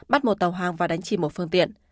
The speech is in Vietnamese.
bắt một tàu hàng và đánh chìm một phương tiện